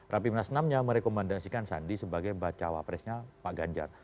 rapimnas vi merekomendasikan sandi sebagai cowok presnya pak ganjar